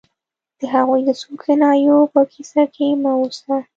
د هغوی د څو کنایو په کیسه کې مه اوسه